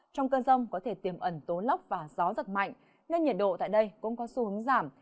trong cơn rông có thể tiềm ẩn tố lốc và gió giật mạnh nên nhiệt độ tại đây cũng có xu hướng giảm